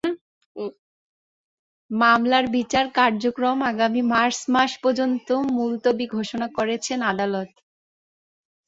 মামলার বিচার কার্যক্রম আগামী মার্চ মাস পর্যন্ত মুলতবি ঘোষণা করেছেন আদালত।